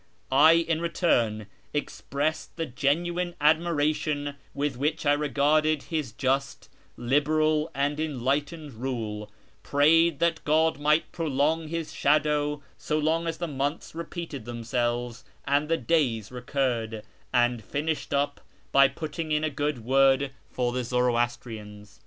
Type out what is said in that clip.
I, in return, expressed the genuine admiration with which I regarded his just, liberal, and enlightened rule ; prayed that God might prolong his shadow so long as the months repeated themselves and the days recurred ; and finished up by putting in a good word for the Zoroastrians.